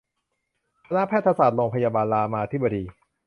คณะแพทยศาสตร์โรงพยาบาลรามาธิบดี